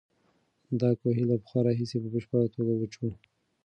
دا کوهی له پخوا راهیسې په بشپړه توګه وچ و.